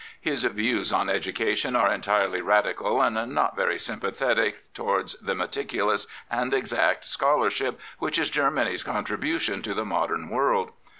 His views on education are entirely radical and not very sympathetic towards the meticulous and exact scholarship which is Germany*s contribution to the modem world.